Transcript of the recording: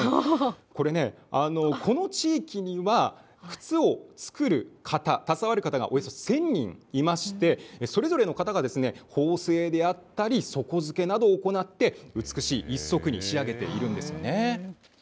これね、この地域には、靴を作る方、携わる方がおよそ１０００人いまして、それぞれの方が、縫製であったり底付けなどを行って、美しい一足に仕上げているんですね。